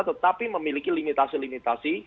tetapi memiliki limitasi limitasi